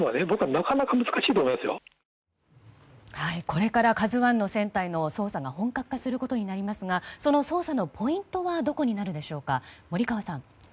これから「ＫＡＺＵ１」の船体の捜査が本格化することになりますがその捜査のポイントはどこになるでしょうか森川さん。